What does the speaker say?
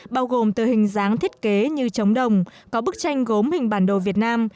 bao gồm từ hình dáng thiết kế như trống đồng có bức tranh gốm hình bản đồ việt nam